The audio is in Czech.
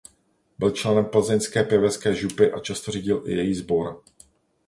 Byl členem Plzeňské pěvecké župy a často řídil i její sbor.